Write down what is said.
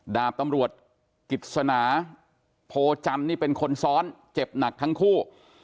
ดาบตำรวจกิจสนาโพจันทร์นี่เป็นคนซ้อนเจ็บหนักทั้งคู่